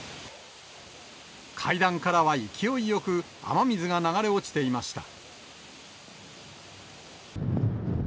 階段からは勢いよく雨水が流れ落ちていました。